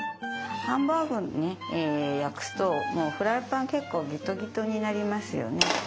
ハンバーグを焼くともうフライパン結構ギトギトになりますよね。